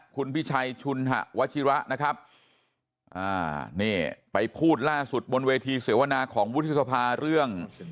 คุณพี่ชัยชุนวัชิวะนะครับไปพูดล่าสุดบนเวทีเสวนาของบุตรศพเรื่อง